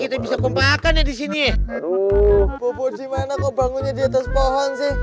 hai kita bisa kumpulkan ya di sini